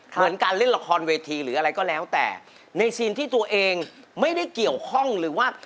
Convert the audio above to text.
เหมือนการเล่นละครเวทีหรืออะไรก็แล้วแต่ในซีนที่ตัวเองไม่ได้เกี่ยวข้องหรือว่า